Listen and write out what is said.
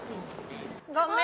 ごめん！